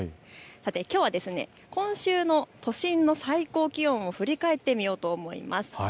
さてきょうは今週の都心の最高気温を振り返ってみようと思います。